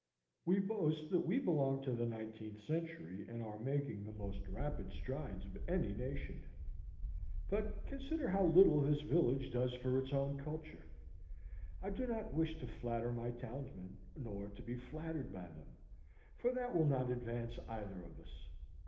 We boast that we belong to the nineteenth century and are making the most rapid strides of any nation. But consider how little this village does for its own culture. I do not wish to flatter my townsmen, nor to be flattered by them, for that will not advance either of us.